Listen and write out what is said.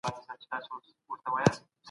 سفرونه اوس د پخوا په پرتله ډېر اسانه دي.